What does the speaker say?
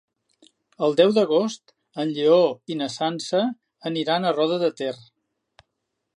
El deu d'agost en Lleó i na Sança aniran a Roda de Ter.